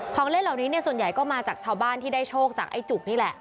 เล่นเหล่านี้เนี่ยส่วนใหญ่ก็มาจากชาวบ้านที่ได้โชคจากไอ้จุกนี่แหละ